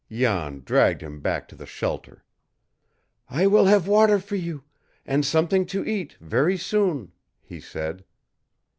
Jan dragged him back to the shelter. "I will have water for you and something to eat very soon," he said.